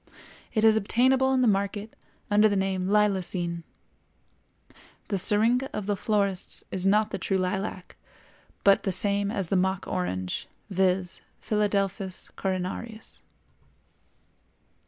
It is obtainable in the market under the name lilacine. The Syringa of the florists is not the true lilac, but the same as the Mock Orange, viz., Philadelphus coronarius.